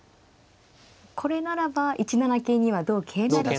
これならば１七桂には同桂成と。